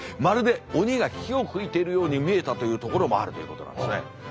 まるで鬼が火を噴いているように見えたというところもあるということなんですね。